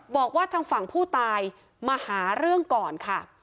บอกว่าทางฝั่งผู้ตายมาหาเรื่องก่อนค่ะ